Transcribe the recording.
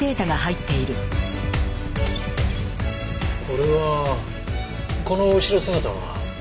これはこの後ろ姿は？